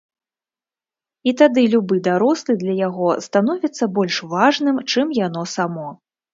І тады любы дарослы для яго становіцца больш важным, чым яно само.